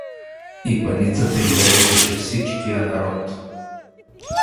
И паницата изреждаше всичкия народ.